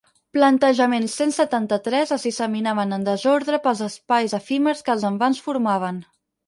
Plantejament cent setanta-tres es disseminaven en desordre pels espais efímers que els envans formaven.